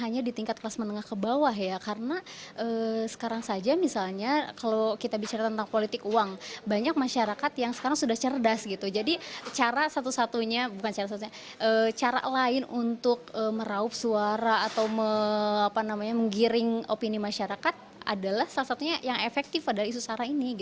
yang efektif adalah isu sara ini